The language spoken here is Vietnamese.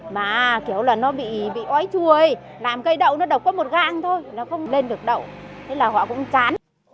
mà kiểu là nó bị ói chùi làm cây đậu nó đọc có một găng thôi nó không lên được đậu thế là họ cũng chán